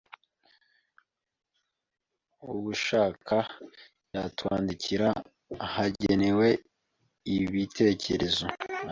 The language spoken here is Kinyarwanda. ubushaka yatwandikira ahagenewe ibitekerezo